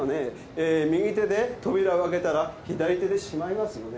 えー右手で扉を開けたら左手でしまいますよね。